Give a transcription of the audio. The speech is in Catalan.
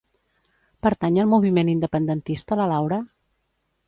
Pertany al moviment independentista la Laura?